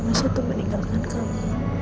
masa itu meninggalkan kamu